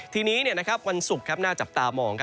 ทีนี้วันศุกร์หน้าจับตามอง